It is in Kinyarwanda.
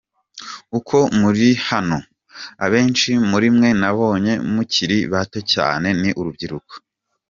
Uko muri hano, abenshi muri mwe nabonye mukiri bato cyane ni urubyiruko.